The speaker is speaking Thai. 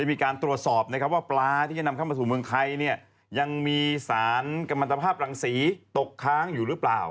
มีการตรวจสอบนะครับว่าปลาที่จะนำเข้ามาสู่เมืองไทยเนี่ยยังมีสารกำลังตภาพรังสีตกค้างอยู่หรือเปล่า